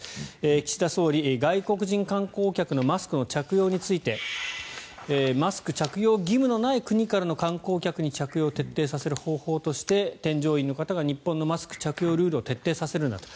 岸田総理、外国人観光客のマスクの着用についてマスク着用義務のない国からの観光客にマスク着用を徹底させる方法として添乗員の方が日本のマスク着用のルールを徹底させるんだと。